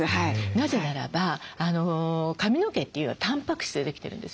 なぜならば髪の毛というのはたんぱく質でできてるんですよね。